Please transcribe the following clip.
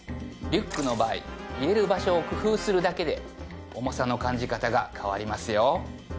リュックの場合入れる場所を工夫するだけで重さの感じ方が変わりますよ